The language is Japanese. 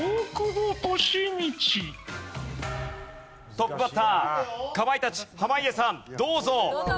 トップバッターかまいたち濱家さんどうぞ。